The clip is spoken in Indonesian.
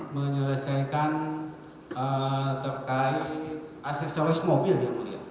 menyelesaikan terkait aksesoris mobil yang mulia